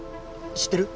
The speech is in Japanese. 知ってる？